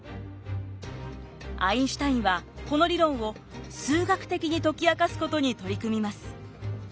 アインシュタインはこの理論を数学的に解き明かすことに取り組みます。